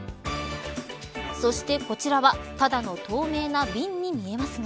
そして、こちらはただの透明な瓶に見えますが。